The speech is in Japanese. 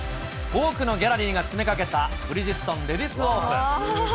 多くのギャラリーが詰めかけたブリヂストンレディスオープン。